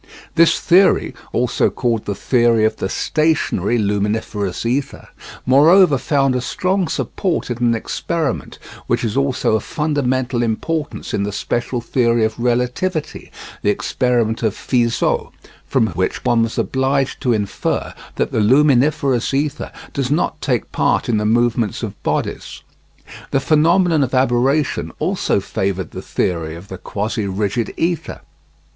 This theory also called the theory of the stationary luminiferous ether moreover found a strong support in an experiment which is also of fundamental importance in the special theory of relativity, the experiment of Fizeau, from which one was obliged to infer that the luminiferous ether does not take part in the movements of bodies. The phenomenon of aberration also favoured the theory of the quasi rigid ether.